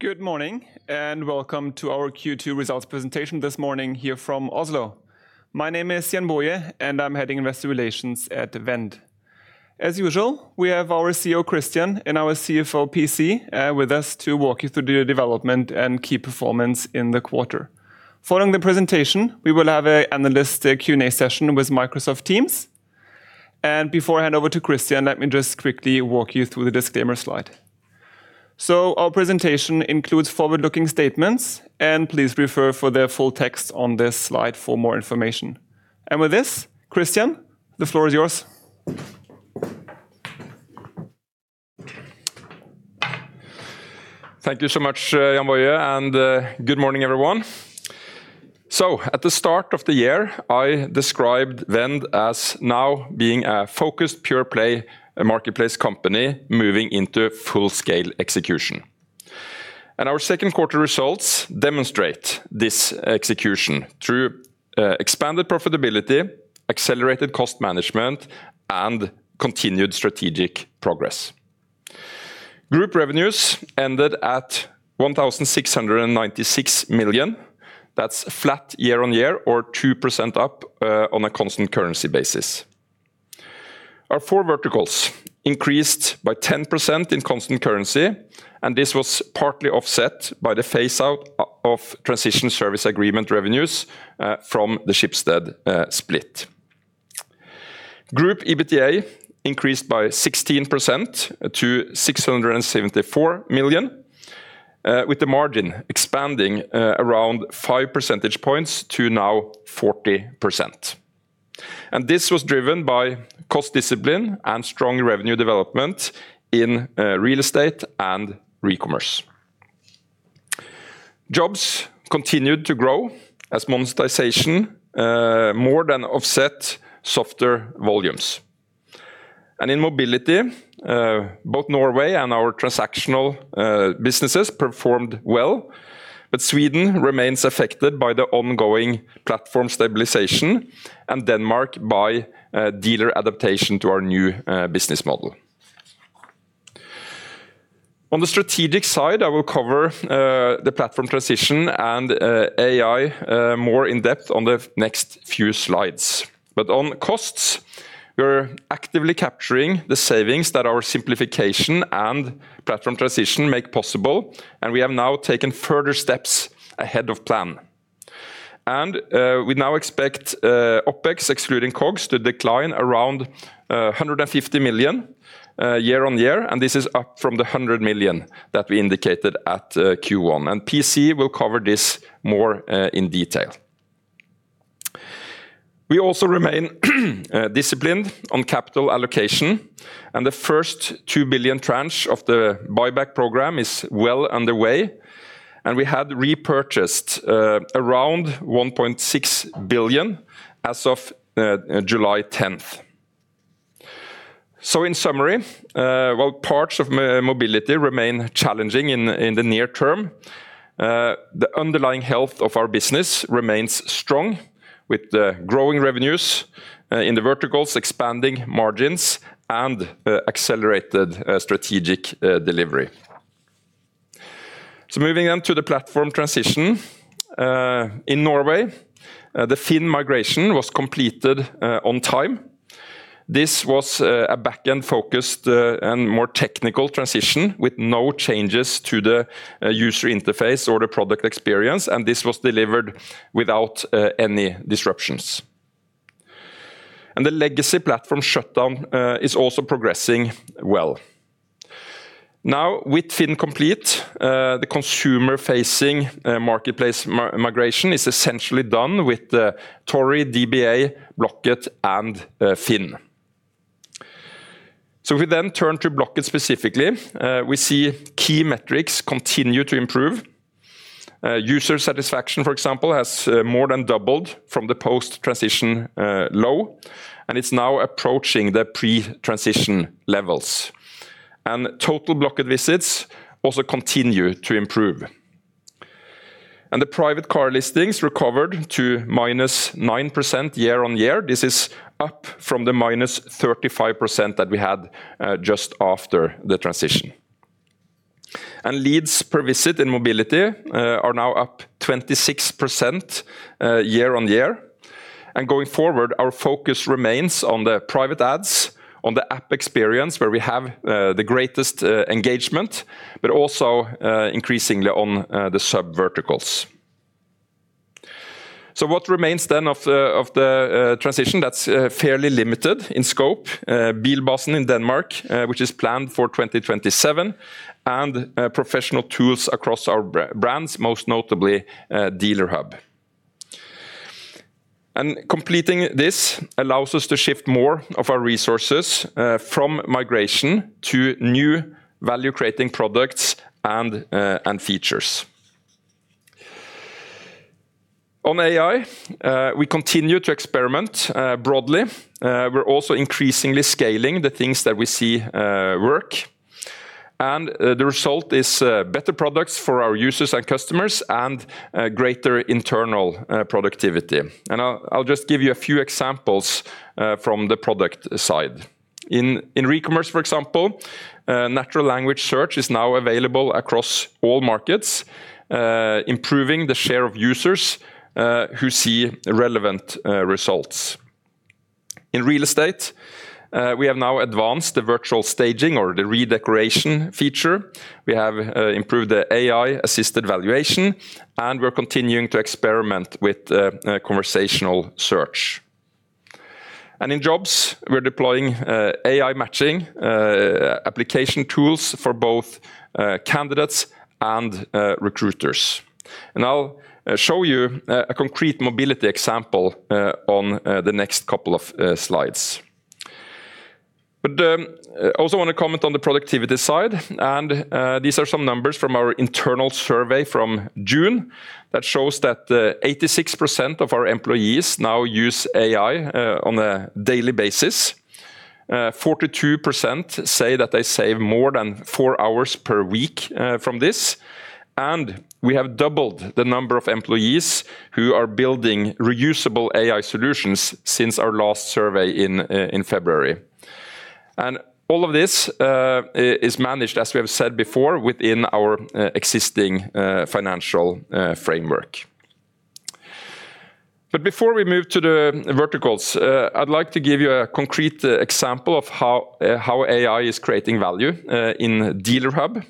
Good morning, and welcome to our Q2 results presentation this morning here from Oslo. My name is Jann-Boje, and I am Head of Investor Relations at Vend. As usual, we have our CEO, Christian, and our CFO, PC, with us to walk you through the development and key performance in the quarter. Following the presentation, we will have an analyst Q&A session with Microsoft Teams. Before I hand over to Christian, let me just quickly walk you through the disclaimer slide. Our presentation includes forward-looking statements, please refer for the full text on this slide for more information. With this, Christian, the floor is yours. Thank you so much, Jann-Boje, good morning, everyone. At the start of the year, I described Vend as now being a focused pure-play marketplace company moving into full-scale execution. Our second quarter results demonstrate this execution through expanded profitability, accelerated cost management, and continued strategic progress. Group revenues ended at 1,696 million. That is flat year-on-year or 2% up on a constant currency basis. Our four verticals increased by 10% in constant currency, this was partly offset by the phase-out of Transition Service Agreement revenues from the Schibsted split. Group EBITDA increased by 16% to 674 million, with the margin expanding around 5 percentage points to now 40%. This was driven by cost discipline and strong revenue development in Real Estate and Recommerce. Jobs continued to grow as monetization more than offset softer volumes. In Mobility, both Norway and our transactional businesses performed well, but Sweden remains affected by the ongoing platform stabilization and Denmark by dealer adaptation to our new business model. On the strategic side, I will cover the platform transition and AI more in-depth on the next few slides. On costs, we are actively capturing the savings that our simplification and platform transition make possible, we have now taken further steps ahead of plan. We now expect OPEX, excluding COGS, to decline around 150 million year-on-year, this is up from the 100 million that we indicated at Q1. PC will cover this more in detail. We also remain disciplined on capital allocation, the first 2 billion tranche of the buyback program is well underway, we had repurchased around 1.6 billion as of July 10th. In summary, while parts of Mobility remain challenging in the near term, the underlying health of our business remains strong, with the growing revenues in the verticals expanding margins and accelerated strategic delivery. Moving on to the platform transition. In Norway, the FINN migration was completed on time. This was a back-end focused and more technical transition with no changes to the user interface or the product experience, this was delivered without any disruptions. The legacy platform shutdown is also progressing well. Now with FINN complete, the consumer-facing marketplace migration is essentially done with Tori, DBA, Blocket, and FINN. If we turn to Blocket specifically, we see key metrics continue to improve. User satisfaction, for example, has more than doubled from the post-transition low, it is now approaching the pre-transition levels. Total Blocket visits also continue to improve. The private car listings recovered to -9% year-on-year. This is up from the -35% that we had just after the transition. Leads per visit in Mobility are now up 26% year-on-year. Going forward, our focus remains on the private ads, on the app experience, where we have the greatest engagement, but also increasingly on the subverticals. What remains then of the transition that is fairly limited in scope, Bilbasen in Denmark, which is planned for 2027, and professional tools across our brands, most notably Dealer Hub. Completing this allows us to shift more of our resources from migration to new value-creating products and features. On AI, we continue to experiment broadly. We are also increasingly scaling the things that we see work, and the result is better products for our users and customers and greater internal productivity. I will just give you a few examples from the product side. In Recommerce, for example, natural language search is now available across all markets, improving the share of users who see relevant results. In Real Estate, we have now advanced the virtual staging or the redecoration feature. We have improved the AI-assisted valuation, and we are continuing to experiment with conversational search. In Jobs, we are deploying AI matching application tools for both candidates and recruiters. I will show you a concrete Mobility example on the next couple of slides. I also want to comment on the productivity side, and these are some numbers from our internal survey from June that shows that 86% of our employees now use AI on a daily basis. 42% say that they save more than four hours per week from this. We have doubled the number of employees who are building reusable AI solutions since our last survey in February. All of this is managed, as we have said before, within our existing financial framework. Before we move to the verticals, I would like to give you a concrete example of how AI is creating value in Dealer Hub.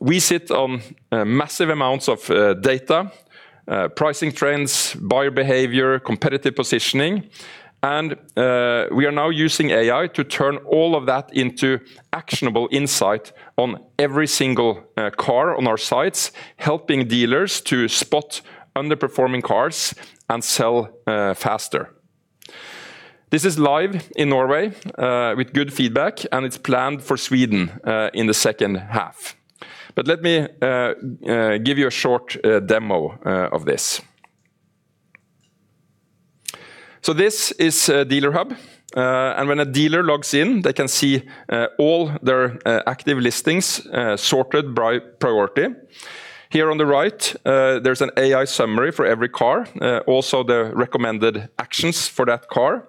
We sit on massive amounts of data, pricing trends, buyer behavior, competitive positioning, and we are now using AI to turn all of that into actionable insight on every single car on our sites, helping dealers to spot underperforming cars and sell faster. This is live in Norway with good feedback, and it is planned for Sweden in the second half. Let me give you a short demo of this. This is Dealer Hub. When a dealer logs in, they can see all their active listings sorted by priority. Here on the right, there is an AI summary for every car, also the recommended actions for that car.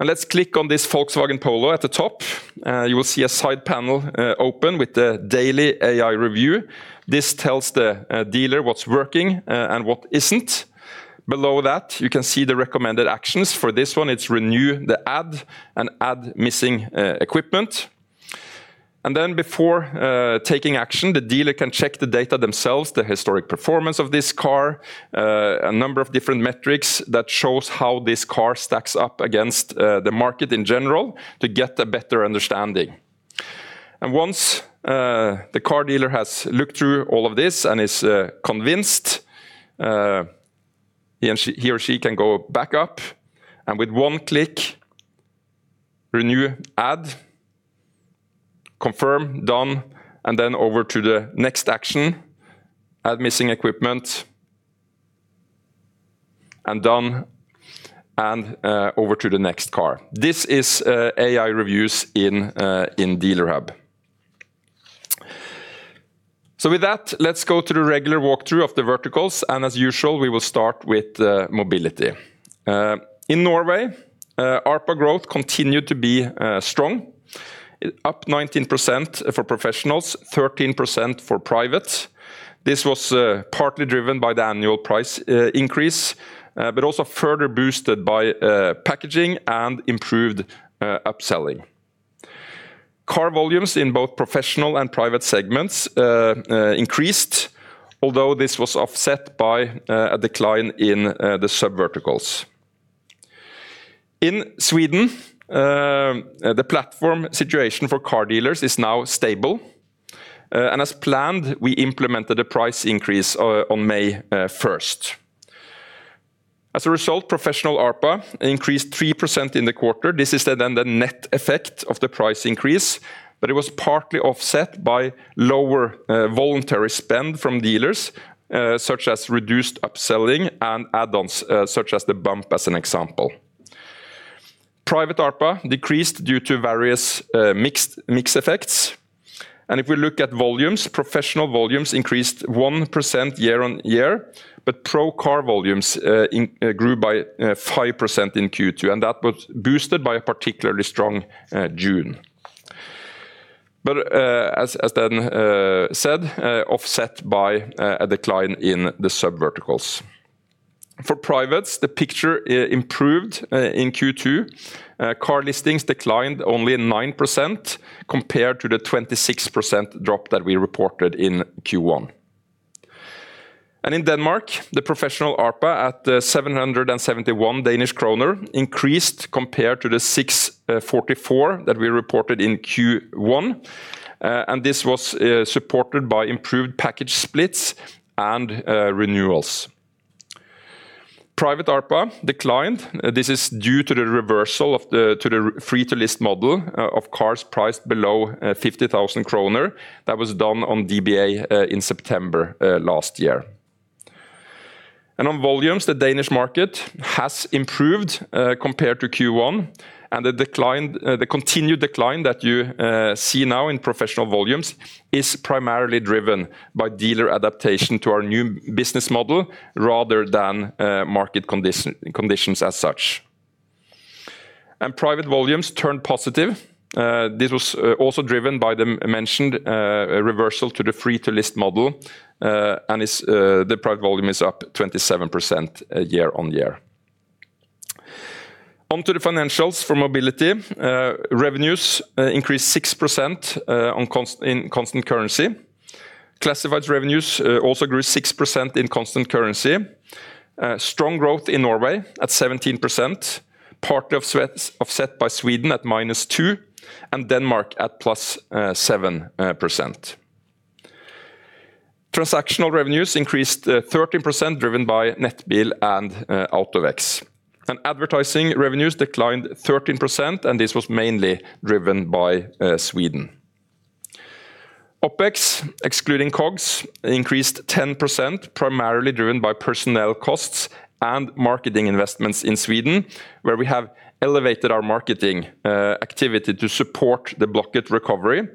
Let us click on this Volkswagen Polo at the top. You will see a side panel open with the daily AI review. This tells the dealer what is working and what is not. Below that, you can see the recommended actions. For this one, it is renew the ad and add missing equipment. Then before taking action, the dealer can check the data themselves, the historic performance of this car, a number of different metrics that shows how this car stacks up against the market in general to get a better understanding. Once the car dealer has looked through all of this and is convinced, he or she can go back up and with one click, Renew ad. Confirm. Done. Over to the next action, Add missing equipment. Done. Over to the next car. This is AI reviews in Dealer Hub. With that, let us go through the regular walkthrough of the verticals. As usual, we will start with Mobility. In Norway, ARPA growth continued to be strong, up 19% for professionals, 13% for private. This was partly driven by the annual price increase, but also further boosted by packaging and improved upselling. Car volumes in both professional and private segments increased, although this was offset by a decline in the sub-verticals. In Sweden, the platform situation for car dealers is now stable. As planned, we implemented a price increase on May 1st. As a result, professional ARPA increased 3% in the quarter. This is the net effect of the price increase, but it was partly offset by lower voluntary spend from dealers, such as reduced upselling and add-ons such as the bump, as an example. Private ARPA decreased due to various mix effects. If we look at volumes, professional volumes increased 1% year-on-year, but pro car volumes grew by 5% in Q2, that was boosted by a particularly strong June. As said, offset by a decline in the sub-verticals. For privates, the picture improved in Q2. Car listings declined only 9% compared to the 26% drop that we reported in Q1. In Denmark, the professional ARPA at 771 Danish kroner increased compared to the 644 that we reported in Q1. This was supported by improved package splits and renewals. Private ARPA declined. This is due to the reversal to the free to list model of cars priced below 50,000 kroner that was done on DBA in September last year. On volumes, the Danish market has improved compared to Q1. The continued decline that you see now in professional volumes is primarily driven by dealer adaptation to our new business model rather than market conditions as such. Private volumes turned positive. This was also driven by the mentioned reversal to the free to list model, the private volume is up 27% year-on-year. On to the financials for Mobility. Revenues increased 6% in constant currency. Classified revenues also grew 6% in constant currency. Strong growth in Norway at 17%, partly offset by Sweden at minus 2% and Denmark at plus 7%. Transactional revenues increased 13%, driven by Nettbil and AutoVex. Advertising revenues declined 13%. This was mainly driven by Sweden. OPEX, excluding COGS, increased 10%, primarily driven by personnel costs and marketing investments in Sweden, where we have elevated our marketing activity to support the Blocket recovery.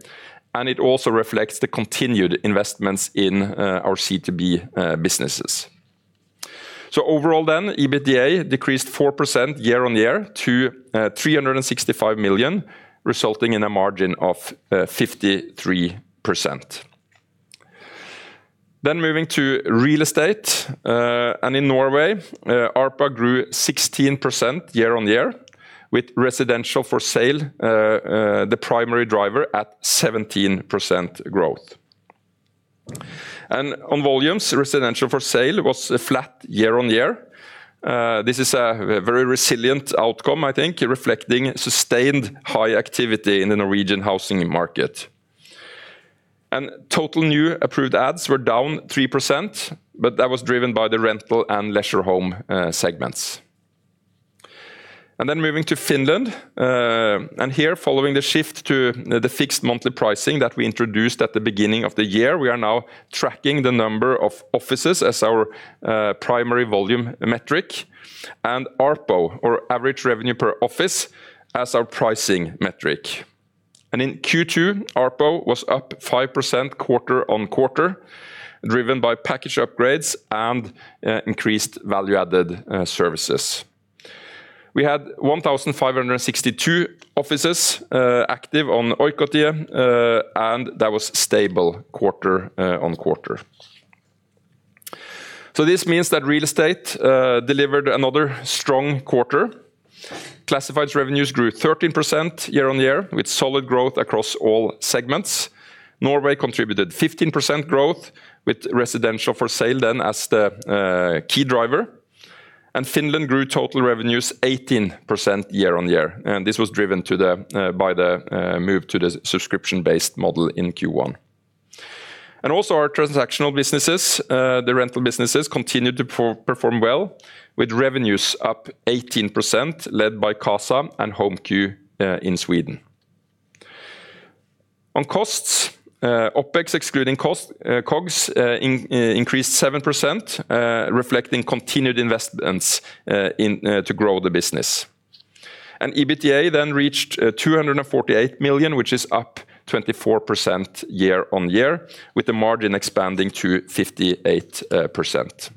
It also reflects the continued investments in our C2B businesses. Overall, EBITDA decreased 4% year-on-year to 365 million, resulting in a margin of 53%. Moving to Real Estate. In Norway, ARPA grew 16% year-on-year, with residential for sale the primary driver at 17% growth. On volumes, residential for sale was flat year-on-year. This is a very resilient outcome, I think, reflecting sustained high activity in the Norwegian housing market. Total new approved ads were down 3%, but that was driven by the rental and leisure home segments. Moving to Finland. Here following the shift to the fixed monthly pricing that we introduced at the beginning of the year, we are now tracking the number of offices as our primary volume metric and ARPO or average revenue per office as our pricing metric. In Q2, ARPO was up 5% quarter-on-quarter, driven by package upgrades and increased value-added services. We had 1,562 offices active on Oikotie, and that was stable quarter-on-quarter. This means that Real Estate delivered another strong quarter. Classified revenues grew 13% year-on-year with solid growth across all segments. Norway contributed 15% growth with residential for sale then as the key driver, and Finland grew total revenues 18% year-on-year. This was driven by the move to the subscription-based model in Q1. Also our transactional businesses, the rental businesses, continued to perform well, with revenues up 18%, led by Qasa and HomeQ in Sweden. On costs, OPEX excluding COGS increased 7%, reflecting continued investments to grow the business. EBITDA then reached 248 million, which is up 24% year-on-year, with the margin expanding to 58%.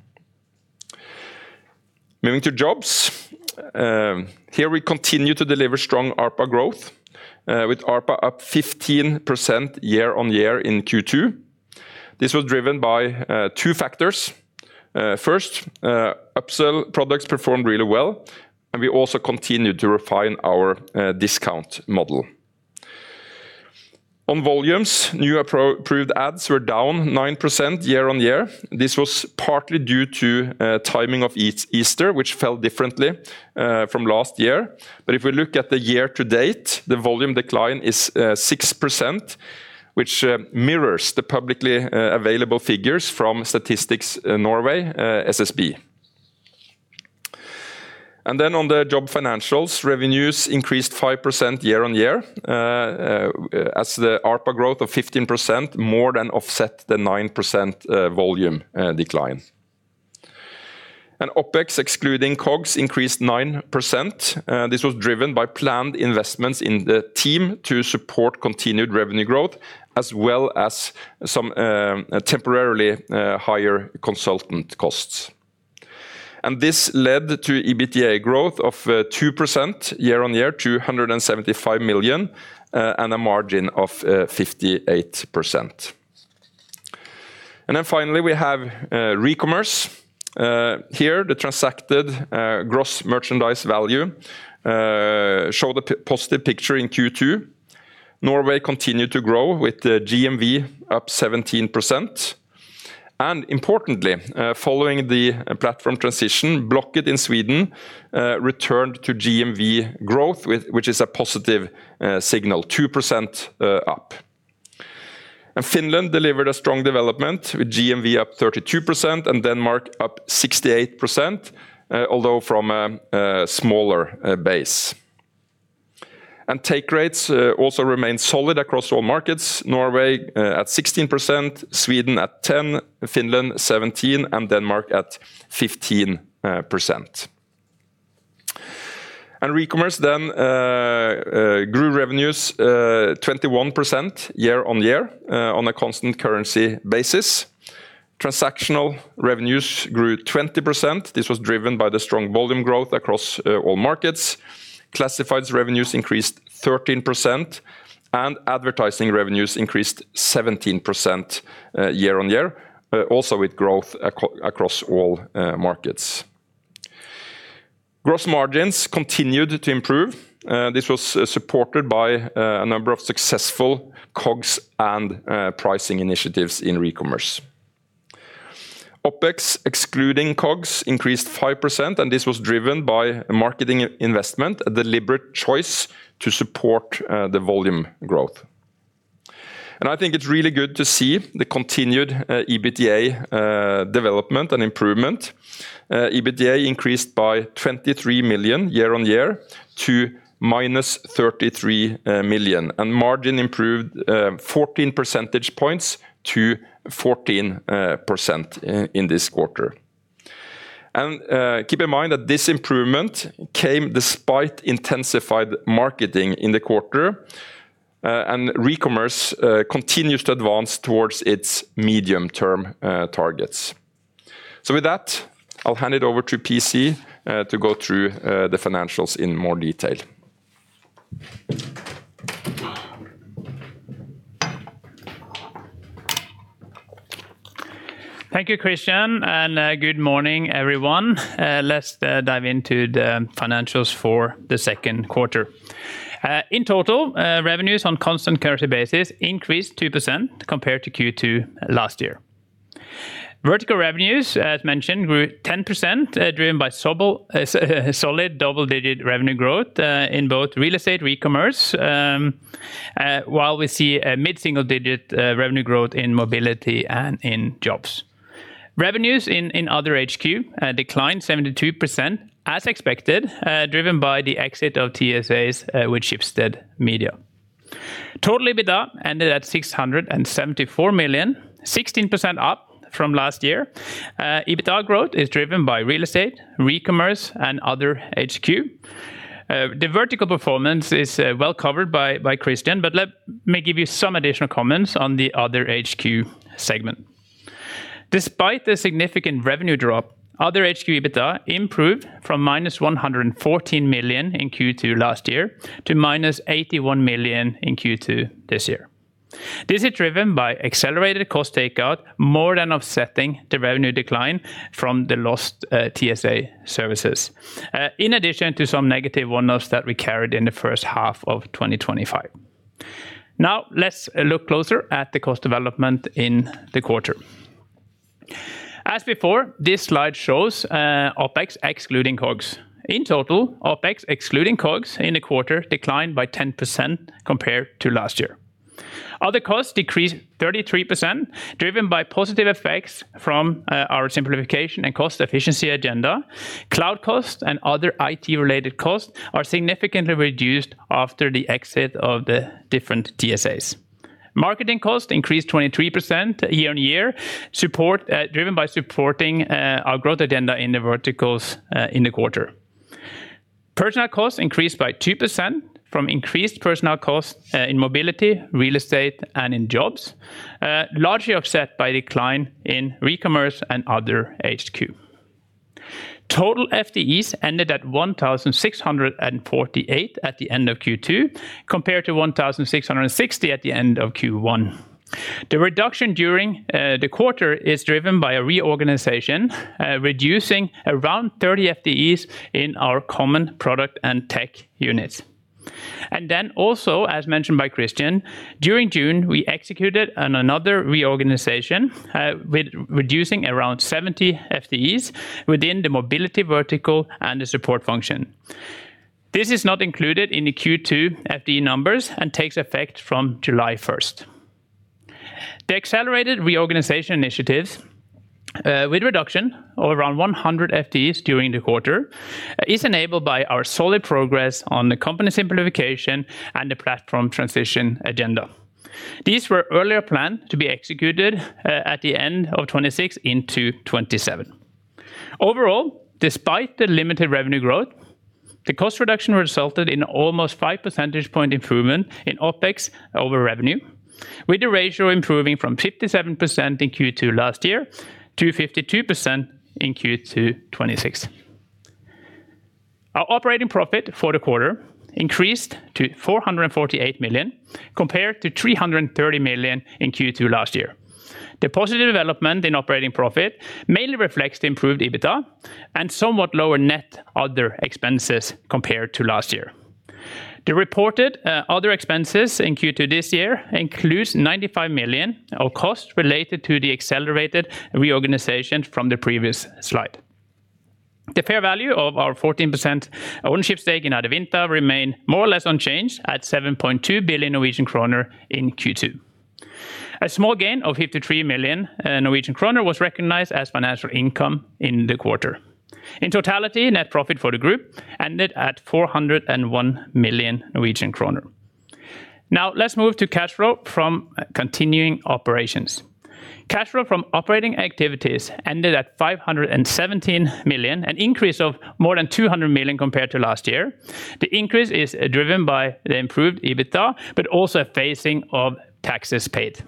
Moving to Jobs. Here we continue to deliver strong ARPA growth with ARPA up 15% year-on-year in Q2. This was driven by two factors. First, upsell products performed really well, and we also continued to refine our discount model. On volumes, new approved ads were down 9% year-on-year. This was partly due to timing of Easter, which fell differently from last year. If we look at the year-to-date, the volume decline is 6%, which mirrors the publicly available figures from Statistics Norway, SSB. On the Jobs financials, revenues increased 5% year-on-year as the ARPA growth of 15% more than offset the 9% volume decline. OPEX excluding COGS increased 9%. This was driven by planned investments in the team to support continued revenue growth, as well as some temporarily higher consultant costs. This led to EBITDA growth of 2% year-on-year to 175 million and a margin of 58%. Finally, we have Recommerce. Here the transacted gross merchandise value showed a positive picture in Q2. Norway continued to grow with the GMV up 17%. Importantly, following the platform transition, Blocket in Sweden returned to GMV growth, which is a positive signal, 2% up. Finland delivered a strong development with GMV up 32% and Denmark up 68%, although from a smaller base. Take rates also remained solid across all markets, Norway at 16%, Sweden at 10%, Finland 17%, and Denmark at 15%. Recommerce then grew revenues 21% year-on-year on a constant currency basis. Transactional revenues grew 20%. This was driven by the strong volume growth across all markets. Classifieds revenues increased 13%, and advertising revenues increased 17% year-on-year, also with growth across all markets. Gross margins continued to improve. This was supported by a number of successful COGS and pricing initiatives in Recommerce. OPEX, excluding COGS, increased 5%, and this was driven by a marketing investment, a deliberate choice to support the volume growth. I think it's really good to see the continued EBITDA development and improvement. EBITDA increased by 23 million year-on-year to minus 33 million, and margin improved 14 percentage points to 14% in this quarter. Keep in mind that this improvement came despite intensified marketing in the quarter, Recommerce continues to advance towards its medium-term targets. With that, I will hand it over to PC to go through the financials in more detail. Thank you, Christian, and good morning, everyone. Let's dive into the financials for the second quarter. In total, revenues on constant currency basis increased 2% compared to Q2 last year. Vertical revenues, as mentioned, grew 10%, driven by solid double-digit revenue growth in both Real Estate, Recommerce, while we see a mid-single-digit revenue growth in Mobility and in Jobs. Revenues in Other HQ declined 72%, as expected, driven by the exit of TSAs with Schibsted Media. Total EBITDA ended at 674 million, 16% up from last year. EBITDA growth is driven by Real Estate, Recommerce, and Other HQ. The vertical performance is well covered by Christian, but let me give you some additional comments on the Other HQ segment. Despite the significant revenue drop, other HQ EBITDA improved from -114 million in Q2 last year to -81 million in Q2 this year. This is driven by accelerated cost takeout, more than offsetting the revenue decline from the lost TSA services, in addition to some negative one-offs that we carried in the first half of 2025. Let's look closer at the cost development in the quarter. As before, this slide shows OPEX excluding COGS. In total, OPEX excluding COGS in the quarter declined by 10% compared to last year. Other costs decreased 33%, driven by positive effects from our simplification and cost efficiency agenda. Cloud costs and other IT-related costs are significantly reduced after the exit of the different TSAs. Marketing costs increased 23% year-on-year, driven by supporting our growth agenda in the verticals in the quarter. Personnel costs increased by 2% from increased personnel costs in Mobility, Real Estate, and in Jobs, largely offset by decline in Recommerce and Other HQ. Total FTEs ended at 1,648 at the end of Q2, compared to 1,660 at the end of Q1. The reduction during the quarter is driven by a reorganization, reducing around 30 FTEs in our common product and tech units. As mentioned by Christian, during June, we executed another reorganization, reducing around 70 FTEs within the Mobility vertical and the support function. This is not included in the Q2 FTE numbers and takes effect from July 1st. The accelerated reorganization initiatives with reduction of around 100 FTEs during the quarter is enabled by our solid progress on the company simplification and the platform transition agenda. These were earlier planned to be executed at the end of 2026 into 2027. Overall, despite the limited revenue growth, the cost reduction resulted in almost five percentage point improvement in OPEX over revenue, with the ratio improving from 57% in Q2 last year to 52% in Q2 2026. Our operating profit for the quarter increased to 448 million, compared to 330 million in Q2 last year. The positive development in operating profit mainly reflects the improved EBITDA and somewhat lower net other expenses compared to last year. The reported other expenses in Q2 this year includes 95 million of costs related to the accelerated reorganization from the previous slide. The fair value of our 14% ownership stake in Adevinta remained more or less unchanged at 7.2 billion Norwegian kroner in Q2. A small gain of 53 million Norwegian kroner was recognized as financial income in the quarter. In totality, net profit for the group ended at 401 million Norwegian kroner. Let's move to cash flow from continuing operations. Cash flow from operating activities ended at 517 million, an increase of more than 200 million compared to last year. The increase is driven by the improved EBITDA, also a phasing of taxes paid.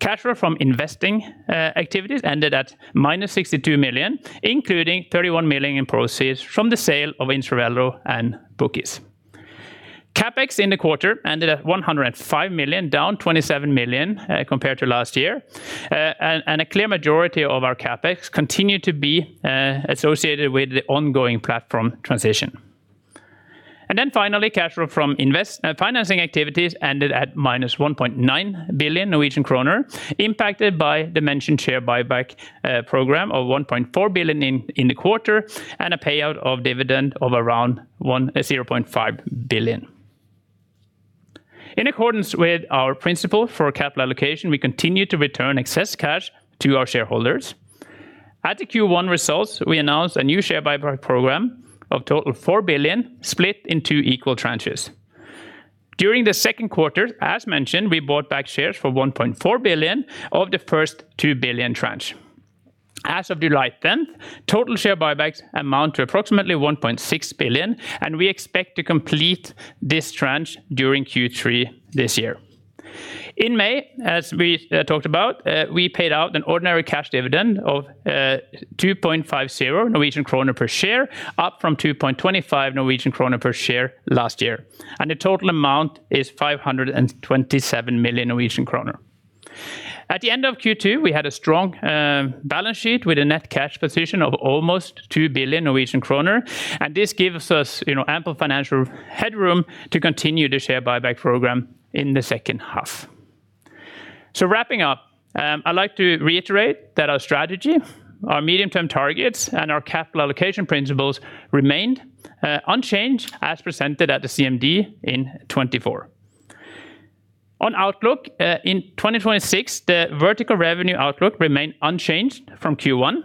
Cash flow from investing activities ended at -62 million, including 31 million in proceeds from the sale of Intralendo and Bookis. CapEx in the quarter ended at 105 million, down 27 million compared to last year. A clear majority of our CapEx continued to be associated with the ongoing platform transition. Finally, cash flow from financing activities ended at -1.9 billion Norwegian kroner, impacted by the mentioned share buyback program of 1.4 billion in the quarter, and a payout of dividend of around 0.5 billion. In accordance with our principle for capital allocation, we continue to return excess cash to our shareholders. At the Q1 results, we announced a new share buyback program of total 4 billion split in two equal tranches. During the second quarter, as mentioned, we bought back shares for 1.4 billion of the first 2 billion tranche. As of July 10th, total share buybacks amount to approximately 1.6 billion, and we expect to complete this tranche during Q3 this year. In May, as we talked about, we paid out an ordinary cash dividend of 2.50 Norwegian kroner per share, up from 2.25 Norwegian kroner per share last year. The total amount is 527 million Norwegian kroner. At the end of Q2, we had a strong balance sheet with a net cash position of almost 2 billion Norwegian kroner, and this gives us ample financial headroom to continue the share buyback program in the second half. Wrapping up, I'd like to reiterate that our strategy, our medium-term targets, and our capital allocation principles remained unchanged as presented at the CMD in 2024. On outlook, in 2026, the vertical revenue outlook remained unchanged from Q1.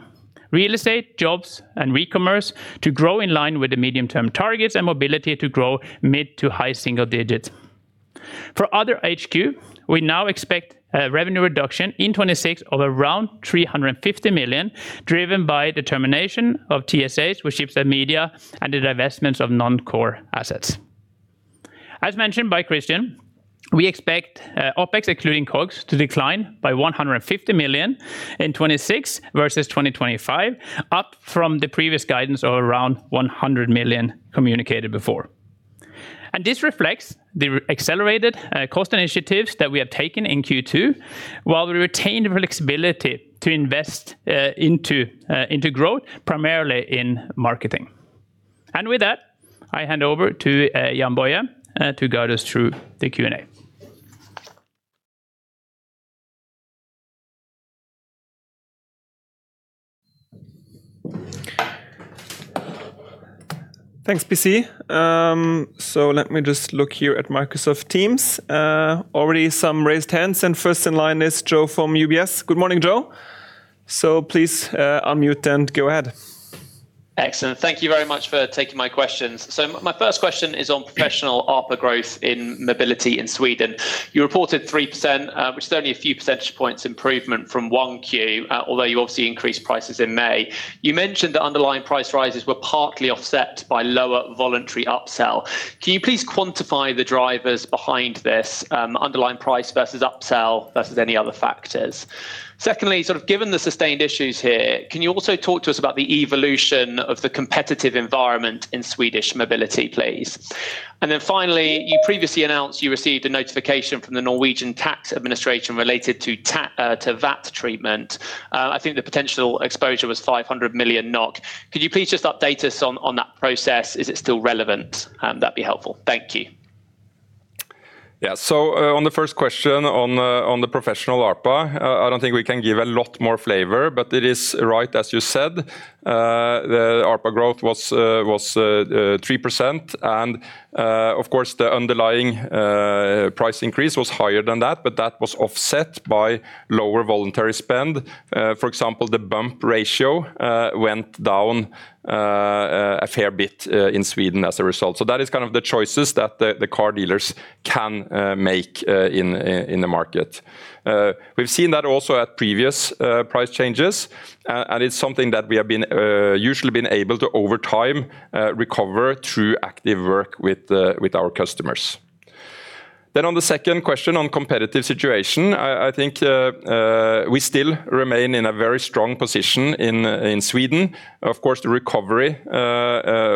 Real Estate, Jobs, and Recommerce to grow in line with the medium-term targets, and Mobility to grow mid to high single digits. For Other HQ, we now expect a revenue reduction in 2026 of around 350 million, driven by the termination of TSAs with Schibsted Media and the divestments of non-core assets. As mentioned by Christian, we expect OPEX, excluding COGS, to decline by 150 million in 2026 versus 2025, up from the previous guidance of around 100 million communicated before. This reflects the accelerated cost initiatives that we have taken in Q2, while we retain the flexibility to invest into growth, primarily in marketing. With that, I hand over to Jann-Boje to guide us through the Q&A. Thanks, PC. Let me just look here at Microsoft Teams. Already some raised hands, and first in line is Joe from UBS. Good morning, Joe. Please unmute and go ahead. Excellent. Thank you very much for taking my questions. My first question is on professional ARPA growth in Mobility in Sweden. You reported 3%, which is only a few percentage points improvement from 1Q, although you obviously increased prices in May. You mentioned that underlying price rises were partly offset by lower voluntary upsell. Can you please quantify the drivers behind this underlying price versus upsell versus any other factors? Secondly, given the sustained issues here, can you also talk to us about the evolution of the competitive environment in Swedish Mobility, please? Finally, you previously announced you received a notification from the Norwegian Tax Administration related to VAT treatment. I think the potential exposure was 500 million NOK. Could you please just update us on that process? Is it still relevant? That'd be helpful. Thank you. Yeah. On the first question on the professional ARPA, I don't think we can give a lot more flavor, but it is right, as you said. The ARPA growth was 3%, and of course, the underlying price increase was higher than that, but that was offset by lower voluntary spend. For example, the bump ratio went down a fair bit in Sweden as a result. That is the choices that the car dealers can make in the market. We've seen that also at previous price changes, and it's something that we have usually been able to, over time, recover through active work with our customers. On the second question on competitive situation, I think we still remain in a very strong position in Sweden. Of course, the recovery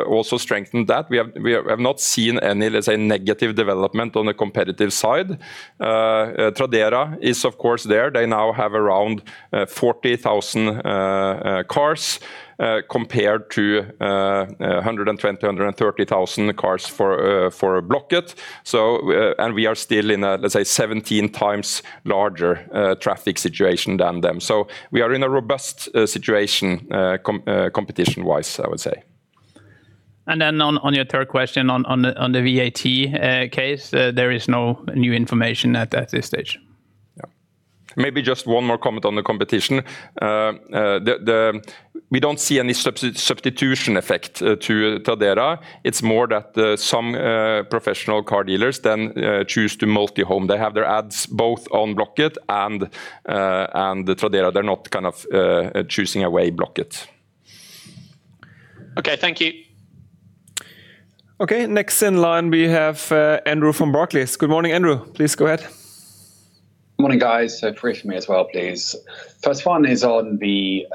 also strengthened that. We have not seen any, let's say, negative development on the competitive side. Tradera is of course there. They now have around 40,000 cars compared to 120,000, 130,000 cars for Blocket. We are still in a, let's say, 17 times larger traffic situation than them. We are in a robust situation competition-wise, I would say. On your third question on the VAT case, there is no new information at this stage. Maybe just one more comment on the competition. We don't see any substitution effect to Tradera. It's more that some professional car dealers then choose to multi-home. They have their ads both on Blocket and Tradera. They're not choosing away Blocket. Okay. Thank you. Okay. Next in line, we have Andrew from Barclays. Good morning, Andrew. Please go ahead. Morning, guys. Three for me as well, please. First one is on the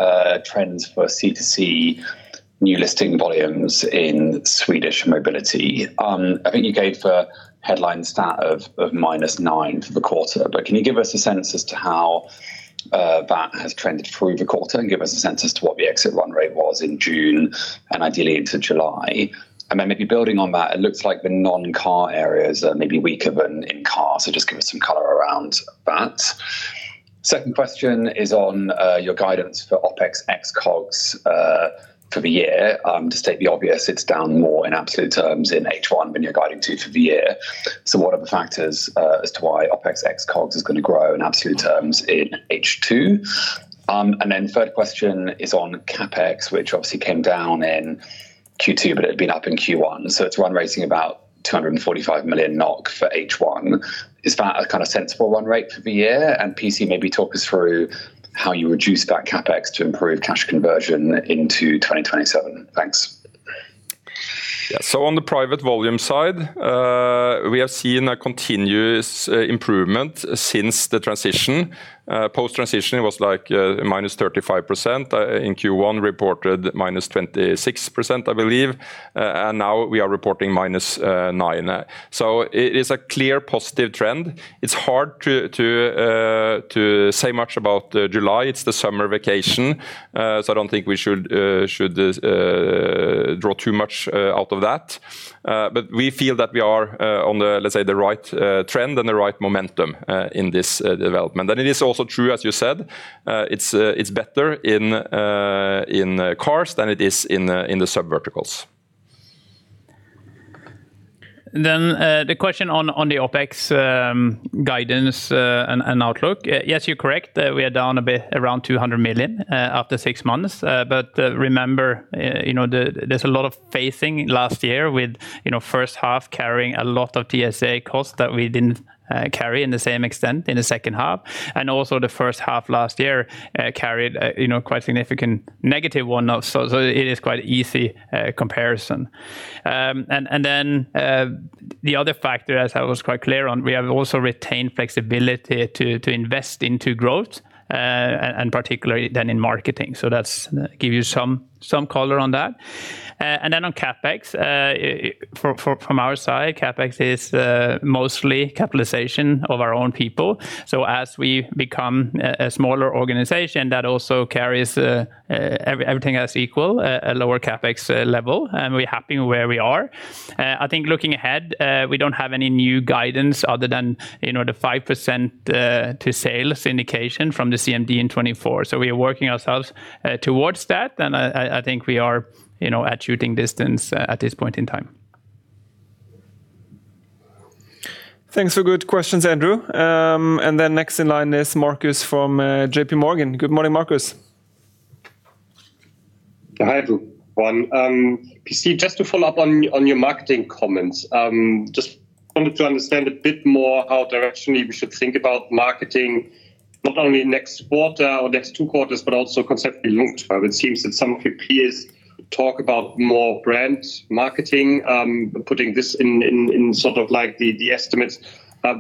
trends for C2C new listing volumes in Swedish Mobility. I think you gave a headline stat of minus nine for the quarter, can you give us a sense as to how that has trended through the quarter and give us a sense as to what the exit run rate was in June and ideally into July? Maybe building on that, it looks like the non-car areas are maybe weaker than in-car, so just give us some color around that. Second question is on your guidance for OpEx ex COGS for the year. Just to state the obvious, it is down more in absolute terms in H1 than you are guiding to for the year. What are the factors as to why OpEx ex COGS is going to grow in absolute terms in H2? Third question is on CapEx, which obviously came down in Q2, but it had been up in Q1, so it is run rating about 245 million NOK for H1. Is that a sensible run rate for the year? PC, maybe talk us through how you reduce that CapEx to improve cash conversion into 2027. Thanks. Yeah. On the private volume side, we have seen a continuous improvement since the transition. Post-transition, it was like -35%. In Q1, reported -26%, I believe. Now we are reporting minus nine. It is a clear positive trend. It is hard to say much about July. It is the summer vacation, so I don't think we should draw too much out of that. We feel that we are on the, let's say, the right trend and the right momentum in this development. It is also true, as you said, it is better in cars than it is in the sub-verticals. The question on the OpEx guidance and outlook. Yes, you're correct. We are down a bit, around 200 million after six months. Remember, there's a lot of phasing last year with first half carrying a lot of TSA costs that we didn't carry in the same extent in the second half, and also the first half last year carried quite significant negative one. It is quite easy comparison. The other factor, as I was quite clear on, we have also retained flexibility to invest into growth, and particularly then in marketing. That gives you some color on that. On CapEx, from our side, CapEx is mostly capitalization of our own people. As we become a smaller organization, that also carries everything else equal, a lower CapEx level, and we're happy where we are. I think looking ahead, we don't have any new guidance other than the 5% to sales indication from the CMD in 2024. We are working ourselves towards that, I think we are at shooting distance at this point in time. Thanks for good questions, Andrew. Next in line is Marcus from JPMorgan. Good morning, Marcus. Hi, everyone. PC, just to follow up on your marketing comments. Just wanted to understand a bit more how directionally we should think about marketing, not only next quarter or next two quarters, but also conceptually long-term. It seems that some of your peers talk about more brand marketing, putting this in the estimates.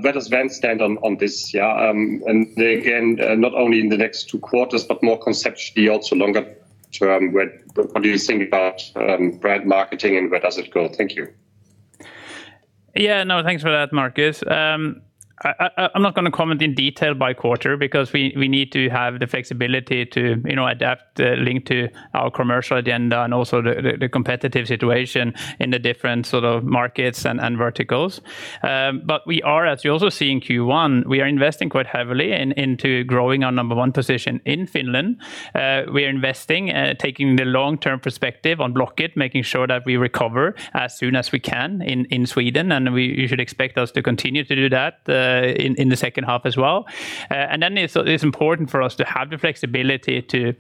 Where does Vend stand on this? Again, not only in the next two quarters, but more conceptually, also longer term. What do you think about brand marketing and where does it go? Thank you. Thanks for that, Marcus. I'm not going to comment in detail by quarter because we need to have the flexibility to adapt linked to our commercial agenda and also the competitive situation in the different markets and verticals. We are, as you also see in Q1, we are investing quite heavily into growing our number one position in Finland. We are investing, taking the long-term perspective on Blocket, making sure that we recover as soon as we can in Sweden, and you should expect us to continue to do that in the second half as well. It's important for us to have the flexibility to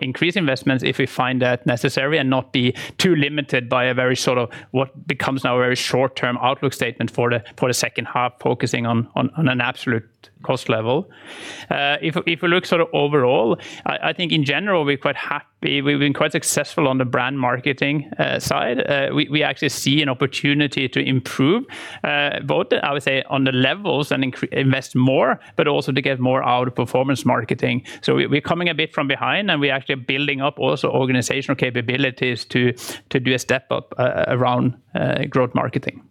increase investments if we find that necessary and not be too limited by what becomes now a very short-term outlook statement for the second half, focusing on an absolute cost level. If we look overall, I think in general, we're quite happy. We've been quite successful on the brand marketing side. We actually see an opportunity to improve both, I would say, on the levels and invest more, but also to get more out of performance marketing. We're coming a bit from behind, and we're actually building up also organizational capabilities to do a step up around growth marketing.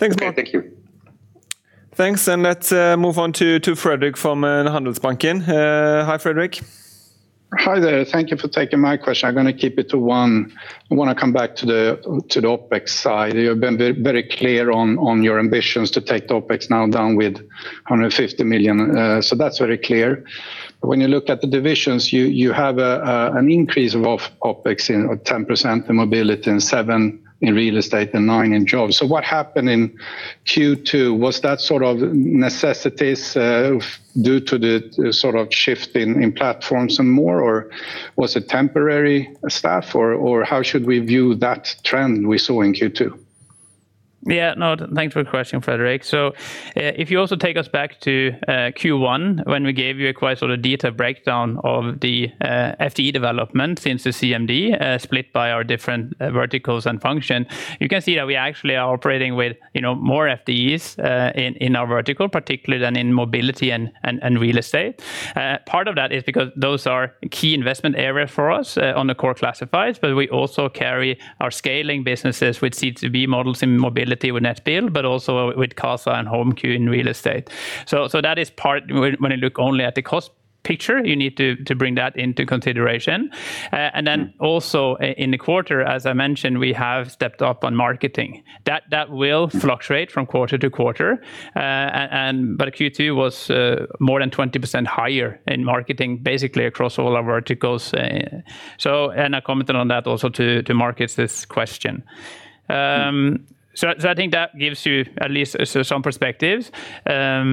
Okay, thank you. Thanks. Let's move on to Fredrik from Handelsbanken. Hi, Fredrik. Hi there. Thank you for taking my question. I'm going to keep it to one. I want to come back to the OpEx side. You've been very clear on your ambitions to take the OpEx now down with 150 million. That's very clear. When you look at the divisions, you have an increase of OpEx of 10% in Mobility and 7% in Real Estate and 9% in Jobs. What happened in Q2? Was that necessities due to the shift in platforms and more, or was it temporary staff, or how should we view that trend we saw in Q2? No, thanks for the question, Fredrik. If you also take us back to Q1, when we gave you a quite detailed breakdown of the FTE development since the CMD, split by our different verticals and function, you can see that we actually are operating with more FTEs in our vertical, particularly than in Mobility and Real Estate. Part of that is because those are key investment areas for us on the core classifieds, but we also carry our scaling businesses with C2B models in Mobility with Nettbil, but also with Qasa and HomeQ in Real Estate. That is part, when you look only at the cost picture, you need to bring that into consideration. Then also in the quarter, as I mentioned, we have stepped up on marketing. That will fluctuate from quarter to quarter. Q2 was more than 20% higher in marketing, basically across all our verticals. I commented on that also to Marcus' question. I think that gives you at least some perspectives. Yeah.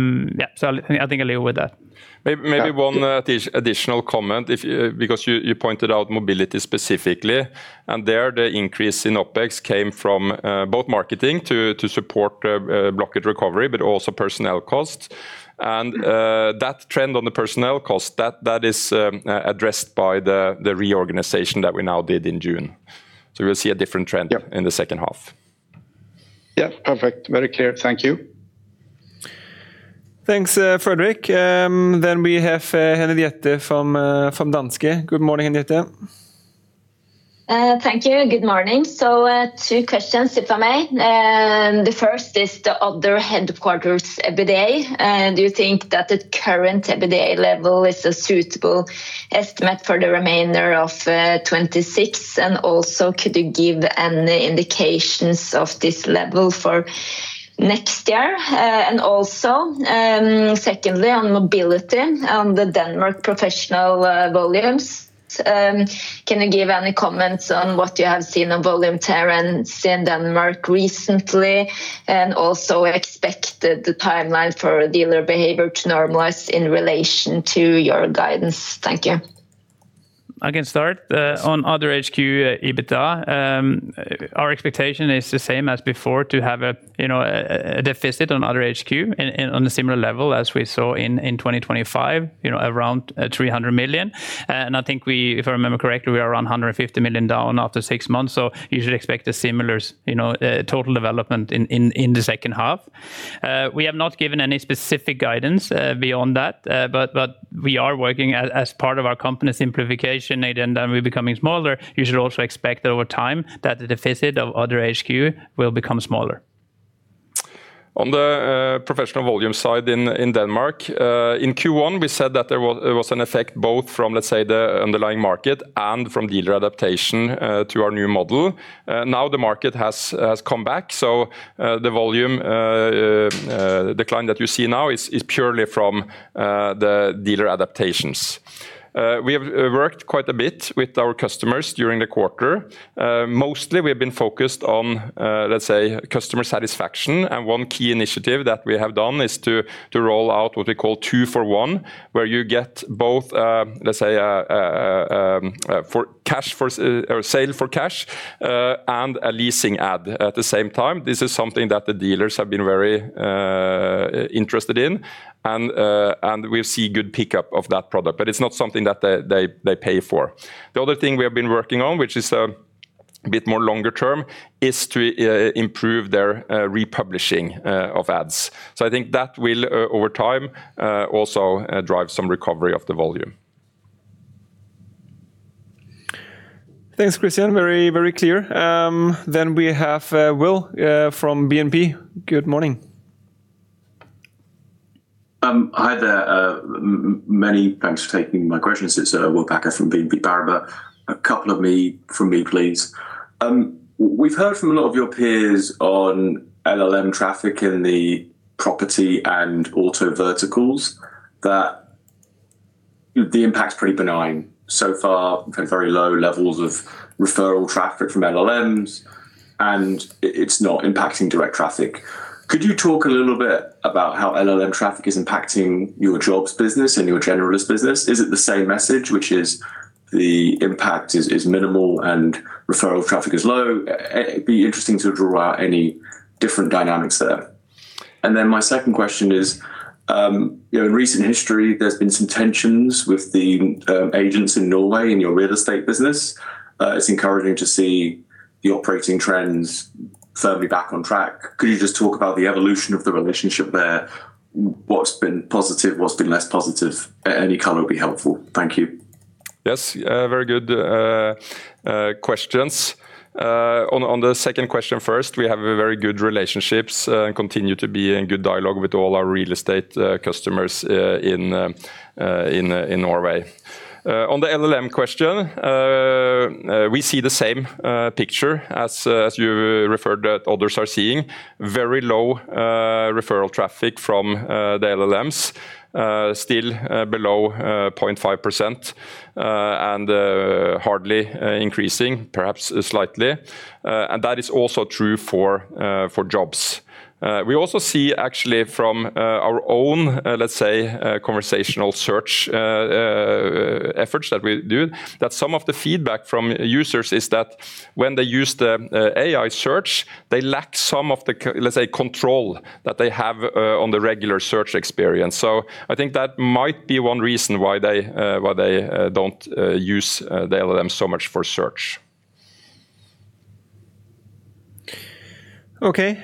I think I'll leave it with that. Maybe one additional comment, because you pointed out Mobility specifically, and there, the increase in OpEx came from both marketing to support Blocket recovery, but also personnel costs. That trend on the personnel cost, that is addressed by the reorganization that we now did in June. We'll see a different trend in the second half. Yeah, perfect. Very clear. Thank you. Thanks, Fredrik. We have Henriette from Danske. Good morning, Henriette. Thank you. Good morning. Two questions, if I may. The first is the Other/Headquarters EBITDA. Do you think that the current EBITDA level is a suitable estimate for the remainder of 2026? Could you give any indications of this level for next year? Secondly, on Mobility, on the Denmark professional volumes, can you give any comments on what you have seen on volume trends in Denmark recently, and expected the timeline for dealer behavior to normalize in relation to your guidance? Thank you. I can start. On Other/Headquarters EBITDA, our expectation is the same as before, to have a deficit on Other/Headquarters on a similar level as we saw in 2025, around 300 million. I think if I remember correctly, we are around 150 million down after six months. You should expect a similar total development in the second half. We have not given any specific guidance beyond that. We are working as part of our company simplification agenda, and we are becoming smaller. You should also expect that over time that the deficit of Other/Headquarters will become smaller. On the professional volume side in Denmark, in Q1, we said that there was an effect both from, let's say, the underlying market and from dealer adaptation to our new model. Now the market has come back. The volume decline that you see now is purely from the dealer adaptations. We have worked quite a bit with our customers during the quarter. Mostly we have been focused on, let's say, customer satisfaction. One key initiative that we have done is to roll out what we call two for one, where you get both, let's say, sale for cash and a leasing ad at the same time. This is something that the dealers have been very interested in. We see good pickup of that product, but it is not something that they pay for. The other thing we have been working on, which is a bit more longer term, is to improve their republishing of ads. I think that will, over time, also drive some recovery of the volume. Thanks, Christian. Very clear. We have Will from BNP. Good morning. Hi there. Many thanks for taking my questions. It is Will Packer from BNP Paribas. A couple from me, please. We have heard from a lot of your peers on LLM traffic in the property and auto verticals that the impact is pretty benign. So far, we have had very low levels of referral traffic from LLMs, and it is not impacting direct traffic. Could you talk a little bit about how LLM traffic is impacting your Jobs business and your generalist business? Is it the same message, which is the impact is minimal and referral traffic is low? It would be interesting to draw out any different dynamics there. My second question is, in recent history, there has been some tensions with the agents in Norway in your Real Estate business. It is encouraging to see the operating trends firmly back on track. Could you just talk about the evolution of the relationship there? What has been positive? What has been less positive? Any color would be helpful. Thank you. Yes, very good questions. On the second question first, we have very good relationships and continue to be in good dialogue with all our Real Estate customers in Norway. On the LLM question, we see the same picture as you referred that others are seeing. Very low referral traffic from the LLMs, still below 0.5% and hardly increasing, perhaps slightly. That is also true for Jobs. We also see actually from our own, let us say, conversational search efforts that we do, that some of the feedback from users is that when they use the AI search, they lack some of the control that they have on the regular search experience. I think that might be one reason why they do not use the LLM so much for search. Okay.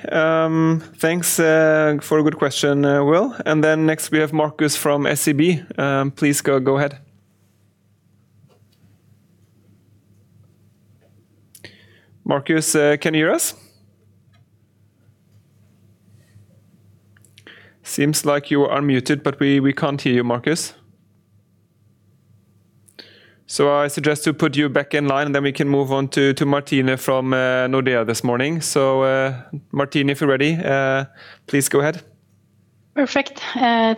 Thanks for a good question, Will. Next we have Marcus from SEB. Please go ahead. Marcus, can you hear us? Seems like you are unmuted, but we can't hear you, Marcus. I suggest to put you back in line, then we can move on to Martine from Nordea this morning. Martine, if you're ready please go ahead. Perfect.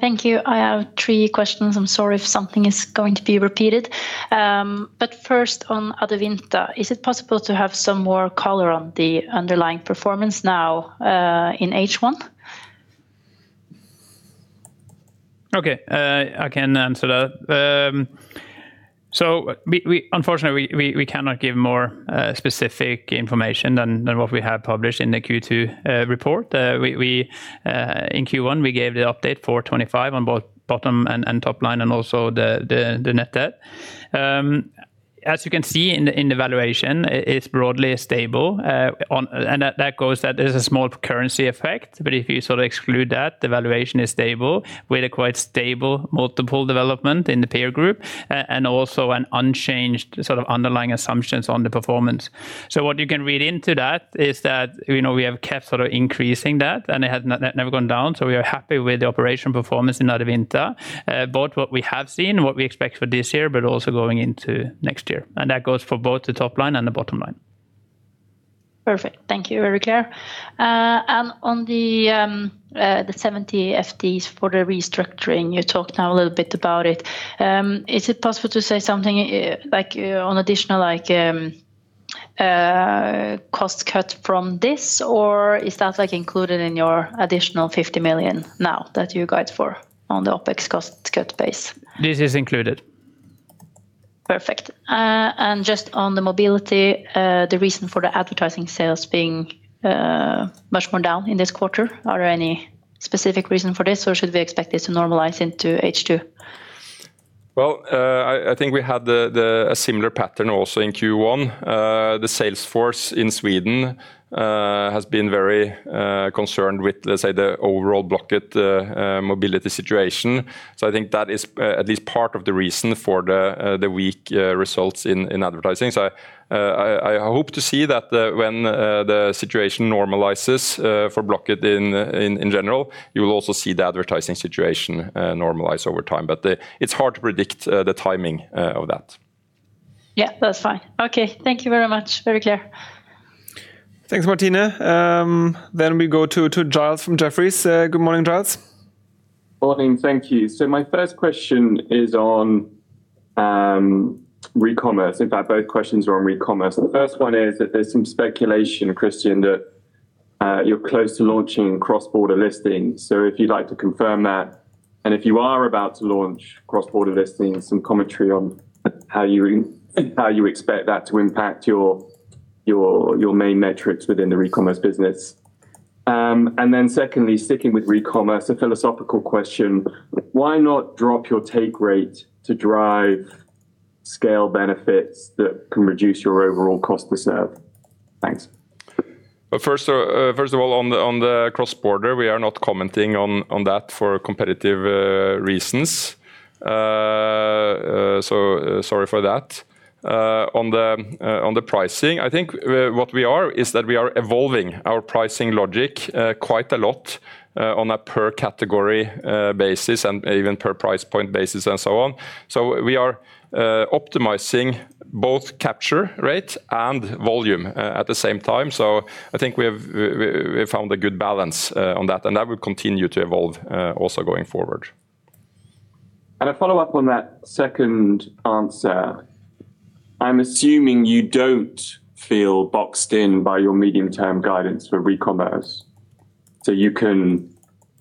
Thank you. I have three questions. I'm sorry if something is going to be repeated. First on Adevinta, is it possible to have some more color on the underlying performance now in H1? Okay. I can answer that. Unfortunately, we cannot give more specific information than what we have published in the Q2 report. In Q1, we gave the update for 2025 on both bottom and top line and also the net debt. As you can see in the valuation, it's broadly stable. That goes that there's a small currency effect, but if you sort of exclude that, the valuation is stable with a quite stable multiple development in the peer group, and also an unchanged sort of underlying assumptions on the performance. What you can read into that is that we have kept increasing that, and it has never gone down. We are happy with the operation performance in Adevinta. Both what we have seen, what we expect for this year, also going into next year. That goes for both the top line and the bottom line. Perfect. Thank you. Very clear. On the 70 FTEs for the restructuring, you talked now a little bit about it. Is it possible to say something on additional cost cut from this, or is that included in your additional 50 million now that you guide for on the OPEX cost cut base? This is included. Perfect. Just on the Mobility, the reason for the advertising sales being much more down in this quarter. Are there any specific reason for this, or should we expect this to normalize into H2? I think we had a similar pattern also in Q1. The sales force in Sweden has been very concerned with, let's say, the overall Blocket Mobility situation. I think that is at least part of the reason for the weak results in advertising. I hope to see that when the situation normalizes for Blocket in general, you will also see the advertising situation normalize over time. It's hard to predict the timing of that. Yeah, that's fine. Okay. Thank you very much. Very clear. Thanks, Martine. We go to Giles from Jefferies. Good morning, Giles. Morning. Thank you. My first question is on Recommerce. In fact, both questions are on Recommerce. The first one is that there's some speculation, Christian, that you're close to launching cross-border listing. If you'd like to confirm that, and if you are about to launch cross-border listing, some commentary on how you expect that to impact your main metrics within the Recommerce business. Secondly, sticking with Recommerce, a philosophical question. Why not drop your take rate to drive scale benefits that can reduce your overall cost to serve? Thanks. First of all, on the cross-border, we are not commenting on that for competitive reasons. Sorry for that. On the pricing, I think what we are is that we are evolving our pricing logic quite a lot on a per category basis and even per price point basis and so on. We are optimizing both capture rate and volume at the same time. I think we have found a good balance on that, and that will continue to evolve also going forward. A follow-up on that second answer. I am assuming you do not feel boxed in by your medium-term guidance for Recommerce.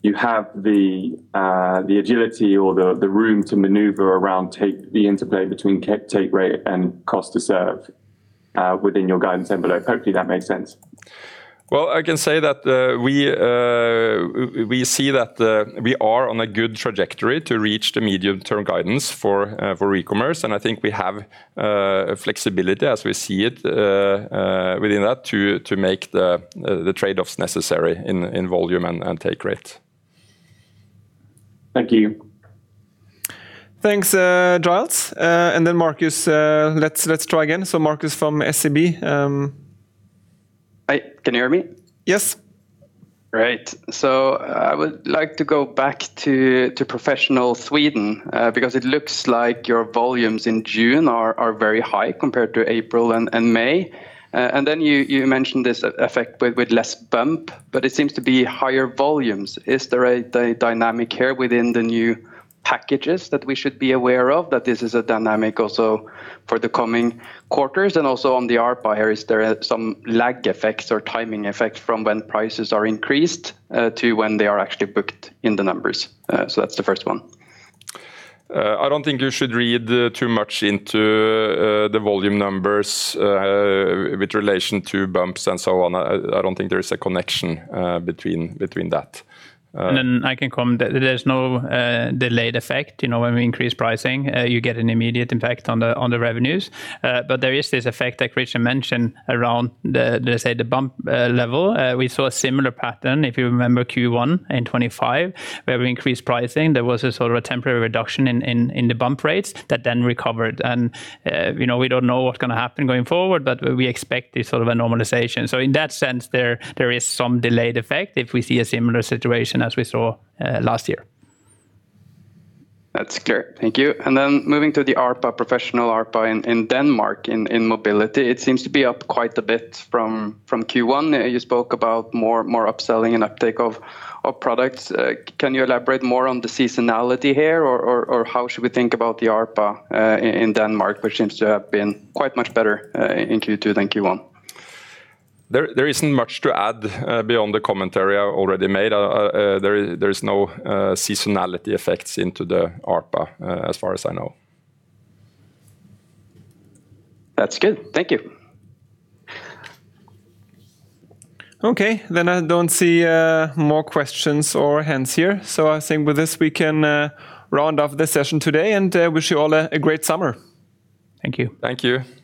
You have the agility or the room to maneuver around the interplay between take rate and cost to serve within your guidance envelope. Hopefully, that makes sense. I can say that we see that we are on a good trajectory to reach the medium-term guidance for Recommerce, I think we have flexibility as we see it within that to make the trade-offs necessary in volume and take rate. Thank you. Thanks, Giles. Marcus, let's try again. Marcus from SEB. Hi, can you hear me? Yes. Great. I would like to go back to professional Sweden, because it looks like your volumes in June are very high compared to April and May. You mentioned this effect with less bump, but it seems to be higher volumes. Is there a dynamic here within the new packages that we should be aware of, that this is a dynamic also for the coming quarters? Also on the ARPA here, is there some lag effects or timing effect from when prices are increased to when they are actually booked in the numbers? That's the first one. I don't think you should read too much into the volume numbers with relation to bumps and so on. I don't think there is a connection between that. I can comment that there's no delayed effect. When we increase pricing, you get an immediate impact on the revenues. There is this effect that Christian mentioned around, let's say, the bump level. We saw a similar pattern, if you remember Q1 in 2025 where we increased pricing. There was a sort of a temporary reduction in the bump rates that then recovered. We don't know what's going to happen going forward, but we expect this sort of a normalization. In that sense, there is some delayed effect if we see a similar situation as we saw last year. That's clear. Thank you. Moving to the ARPA, professional ARPA in Denmark in Mobility. It seems to be up quite a bit from Q1. You spoke about more upselling and uptake of products. Can you elaborate more on the seasonality here, or how should we think about the ARPA in Denmark, which seems to have been quite much better in Q2 than Q1? There isn't much to add beyond the commentary I already made. There is no seasonality effects into the ARPA as far as I know. That's good. Thank you. I don't see more questions or hands here. I think with this we can round off the session today, wish you all a great summer. Thank you. Thank you.